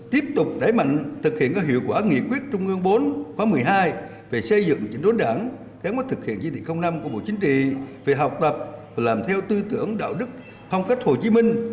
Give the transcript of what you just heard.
tiếp tục đẩy mạnh thực hiện các hiệu quả nghị quyết trung ương bốn khóa một mươi hai về xây dựng chính đối đảng kế hoạch thực hiện dự định năm của bộ chính trị về học tập và làm theo tư tưởng đạo đức không cách hồ chí minh